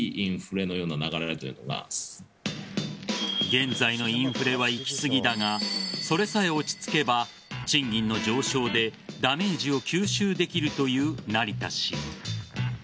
現在のインフレは行き過ぎだがそれさえ落ち着けば賃金の上昇でダメージを吸収できるという成田氏。